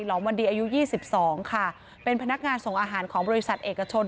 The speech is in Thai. อมวันดีอายุ๒๒ค่ะเป็นพนักงานส่งอาหารของบริษัทเอกชน